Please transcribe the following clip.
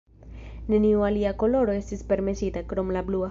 Neniu alia koloro estis permesita, krom la blua.